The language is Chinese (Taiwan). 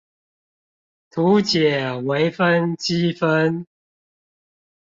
圖解微分積分